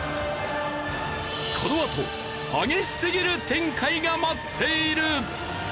このあと激しすぎる展開が待っている！